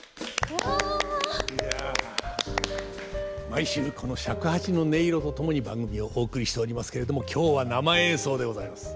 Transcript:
毎週この尺八の音色と共に番組をお送りしておりますけれども今日は生演奏でございます。